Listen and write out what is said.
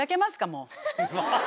もう。